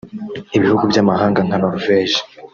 Ibihugu by’amahanga nka Norvège